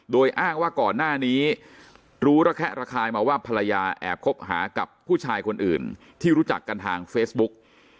โดยอ้างว่าก่อนหน้านี้รู้ระแคะระคายมาว่าภรรยาแอบคบหากับผู้ชายคนอื่นที่รู้จักกันทางเฟซบุ๊ก